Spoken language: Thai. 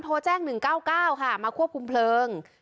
โทรแจ้ง๑๙๙ค่ะมาควบคุมเพลิง